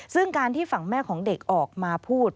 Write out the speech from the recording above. ซึ่งการที่ฝั่งแม่ของเด็กออกมาพูด